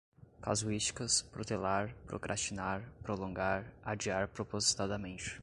casuísticas, protelar, procrastinar, prolongar, adiar propositadamente